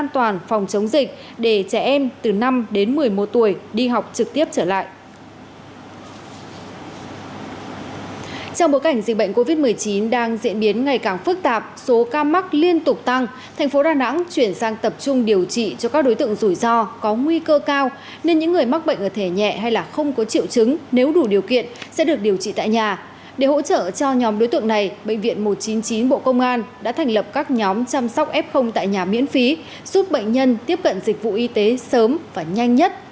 trong bối cảnh dịch bệnh covid một mươi chín đang diễn biến ngày càng phức tạp số ca mắc liên tục tăng thành phố đà nẵng chuyển sang tập trung điều trị cho các đối tượng rủi ro có nguy cơ cao nên những người mắc bệnh ở thể nhẹ hay không có triệu chứng nếu đủ điều kiện sẽ được điều trị tại nhà